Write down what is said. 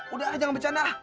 udah ah jangan bercanda ah